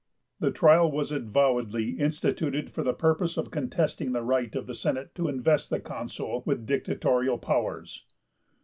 The trial was avowedly instituted for the purpose of contesting the right of the Senate to invest the Consul with dictatorial powers.